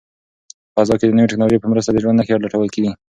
په فضا کې د نوې ټیکنالوژۍ په مرسته د ژوند نښې لټول کیږي.